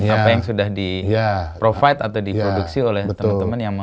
apa yang sudah di provide atau diproduksi oleh temen temen yang